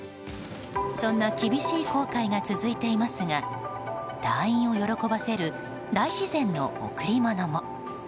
そんな厳しい航海が続いていますが隊員を喜ばせる大自然の贈り物も。